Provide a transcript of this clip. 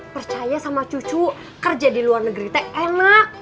percaya sama cucu kerja di luar negeri teh enak